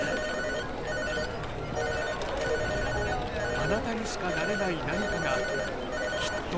あなたにしかなれない何かがきっとある。